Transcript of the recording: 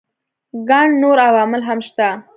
ګڼ نور عوامل هم شته.